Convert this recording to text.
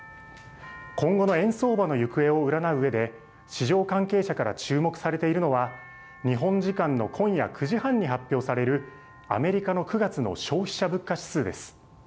今後の円相場の行方を占ううえで、市場関係者から注目されているのは、日本時間の今夜９時半に発表されるアメリカの９月の消費者物価指数です。